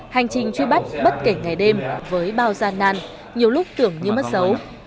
hành trình truy bắt bất kể ngày đêm với bao gian nan nhiều lúc tưởng như mất dấu